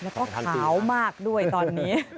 แล้วก็ขาวมากด้วยตอนนี้